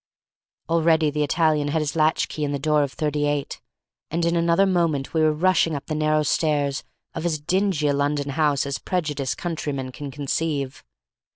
Already the Italian had his latch key in the door of 38, and in another moment we were rushing up the narrow stairs of as dingy a London house as prejudiced countryman can conceive.